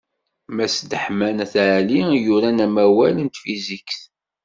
Mass Deḥman At Ɛli i yuran amawal n tfizikt.